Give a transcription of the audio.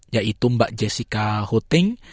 yaitu mbak jessica huting